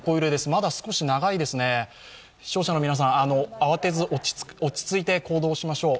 まだ少し長いですね、視聴者の皆さん、慌てず落ち着いて行動しましょう。